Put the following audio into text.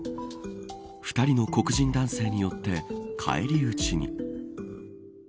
２人の黒人男性によって返り討ちに。